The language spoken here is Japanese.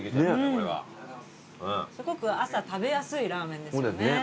すごく朝食べやすいラーメンですよね。